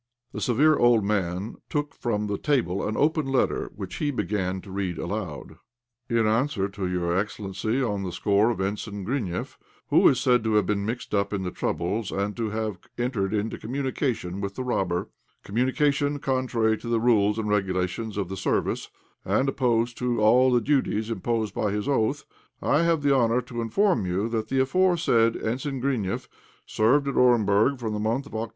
The severe old man took from the table an open letter, which he began to read aloud. "In answer to your excellency on the score of Ensign Grineff, who is said to have been mixed up in the troubles, and to have entered into communication with the robber, communication contrary to the rules and regulations of the service, and opposed to all the duties imposed by his oath, I have the honour to inform you that the aforesaid Ensign Grineff served at Orenburg from the month of Oct.